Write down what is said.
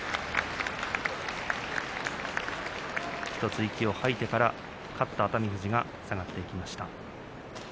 １つ息を吐いてから勝った熱海富士が下がっていきました。